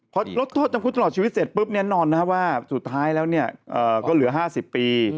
พอลดโทษจำคุกตลอดชีวิตเสร็จปุ๊บแน่นอนนะครับว่าสุดท้ายแล้วก็เหลือ๕๐ปี